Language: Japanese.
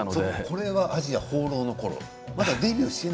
この写真はアジア放浪のころ？